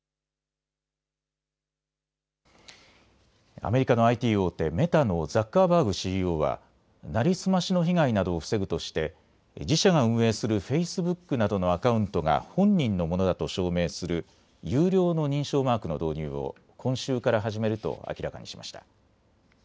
アメリカのＩＴ大手、メタのザッカーバーグＣＥＯは成り済ましの被害などを防ぐとして自社が運営するフェイスブックなどのアカウントが本人のものだと証明する有料の認証マークの導入を今週から始めると明らかにしました。